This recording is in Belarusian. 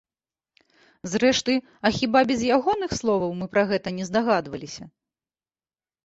Зрэшты, а хіба без ягоных словаў мы пра гэта не здагадваліся?